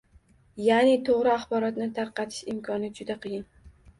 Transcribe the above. Yaʼni toʻgʻri axborotni tarqatish imkoni juda qiyin